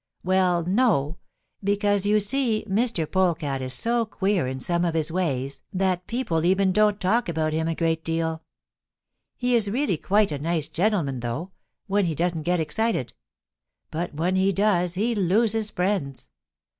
"Well, no, because you see Mr. Polecat is so queer in some of his ways that people even don't talk about him a great deal. He is really quite a nice gentleman, though, when he doesn't get excited. But when he does he loses friends.